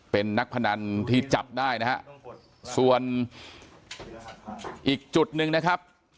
เป็นนักพนันที่จับได้นะฮะส่วนอีกจุดหนึ่งนะครับ